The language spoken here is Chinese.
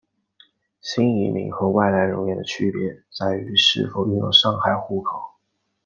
新移民和外来人员的区别在于是否拥有上海户口。